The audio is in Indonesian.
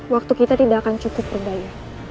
waktu kita tidak akan cukup berbahaya